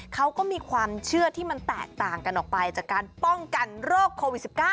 เขาก็มีความเชื่อที่มันแตกต่างกันออกไปจากการป้องกันโรคโควิด๑๙